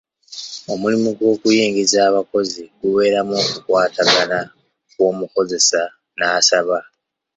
Omulimu gw'okuyingiza abakozi gubeeramu okukwatagana kw'omukozesa n'asaba.